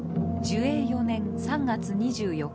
寿永４年３月２４日